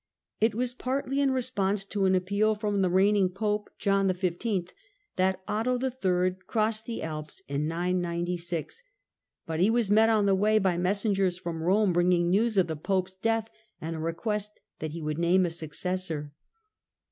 It was partly in response to an appeal from the reigning Pope, John XV., that Otto III. crossed the Alps in 996, but he was met on the way by messengers from Eome bringing news of the Pope's death, and a request that he would name a successor.